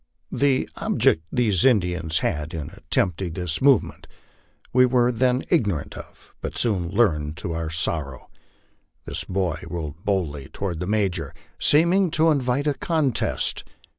The object these Indians had in attempting this movement we were then ignorant of, but soon learned to our sorrow. This boy rode boldly toward the Major, seeming to invite a contest.